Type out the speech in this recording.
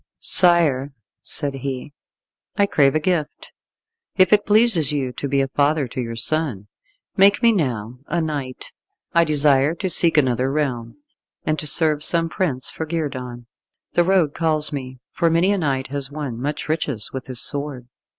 "Sire," said he, "I crave a gift. If it pleases you to be a father to your son, make me now a knight. I desire to seek another realm, and to serve some prince for guerdon. The road calls me, for many a knight has won much riches with his sword."